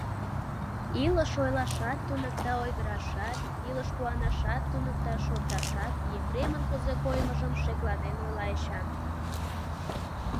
Илыш ойлашат туныкта, ойгырашат; илыш куанашат туныкта, шорташат, — Епремын кузе коймыжым шекланен ойла Эчан.